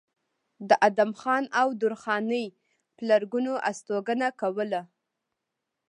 د ادم خان او درخانۍ پلرګنو استوګنه کوله